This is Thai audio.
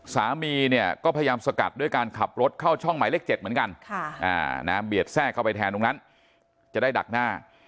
สามีเนี่ยก็พยายามสกัดด้วยการขับรถเข้าช่องหมายเลข๗เหมือนกันเบียดแทรกเข้าไปแทนตรงนั้นจะได้ดักหน้า